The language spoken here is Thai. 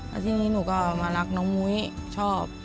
แล้วทีนี้หนูก็มารักน้องมุ้ยชอบ